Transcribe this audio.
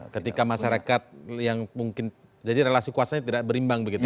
ketika masyarakat yang mungkin jadi relasi kuasanya tidak berimbang begitu ya